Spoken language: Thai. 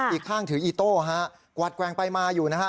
อีกข้างถืออีโต้ฮะกวัดแกว่งไปมาอยู่นะฮะ